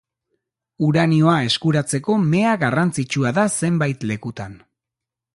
Uranioa eskuratzeko mea garrantzitsua da zenbait lekutan.